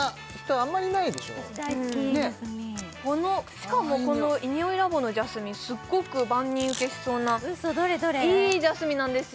あいい匂いしかもこのｉｎｉｏｉＬａｂ．のジャスミンすっごく万人受けしそうないいジャスミンなんですよ